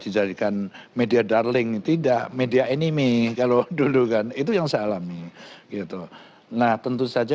dijadikan media darling tidak media enemy kalau dulu kan itu yang saya alami gitu nah tentu saja